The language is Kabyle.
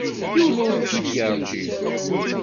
Yiwen ur k-id-yergim.